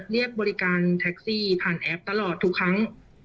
เรียกบริการแท็กซี่ผ่านแอปตลอดทุกครั้ง